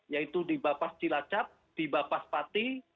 yaitu di bapas cilacap di bapas pati